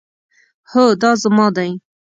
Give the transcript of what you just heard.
هو، دا زما دی